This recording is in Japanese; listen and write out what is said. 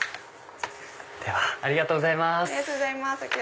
ありがとうございます。